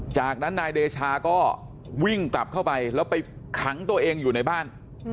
จากนั้นนายเดชาก็วิ่งกลับเข้าไปแล้วไปขังตัวเองอยู่ในบ้าน